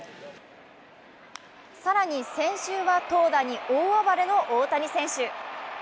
更に先週は投打に大暴れの大谷選手。